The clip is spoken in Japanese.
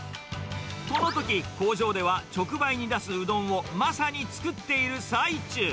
このとき、工場では直売に出すうどんをまさに作っている最中。